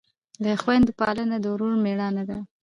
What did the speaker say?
د خویندو پالنه د ورور مړانه ده.